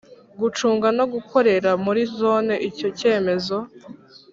Gucunga no gukorera muri zone icyo cyemezo